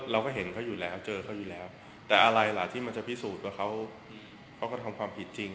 เราก็เห็นเขาอยู่แล้วเจอเขาอยู่แล้วแต่อะไรล่ะที่มันจะพิสูจน์ว่าเขาก็ทำความผิดจริง